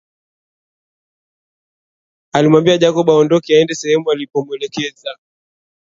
Alimwambia Jacob aondoke aende sehemu alipomuelekeza